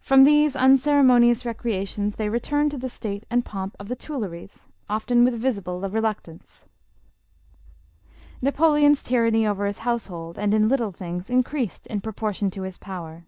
From these uncere monious recreations, they returned to the state and pomp of the Tuilleries, often with visible reluctance. Napoleon's tyranny over his household and in little things, increased in proportion to his power.